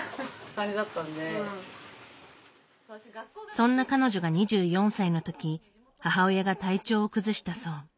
そんな彼女が２４歳のとき母親が体調を崩したそう。